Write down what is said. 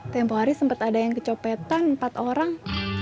tempoh hari sempat ada yang kecopetan empat orang